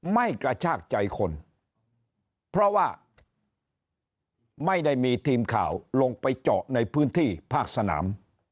ไม่กระชากใจคนเพราะว่าไม่ได้มีทีมข่าวลงไปเจาะในพื้นที่ภาคสนาม